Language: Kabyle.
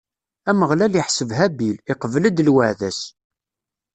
Ameɣlal iḥseb Habil, iqbel-d lweɛda-s.